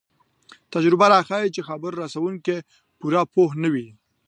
تجربه راښيي چې خبر رسوونکی پوره پوه نه وي.